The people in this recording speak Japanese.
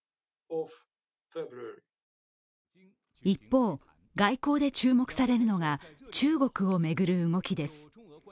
一方、外交で注目されるのが中国を巡る動きです。